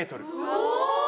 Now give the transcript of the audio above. お！